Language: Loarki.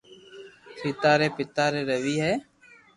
سيتا ري پيتا ري روي ھي